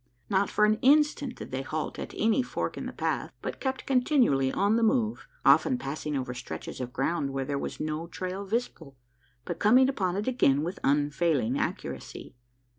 Not for an instant did they halt at any fork in the path, but kept continually on the move, often passing over stretches of ground where there was no trail visible, but coming upon it again with unfailing accuracy.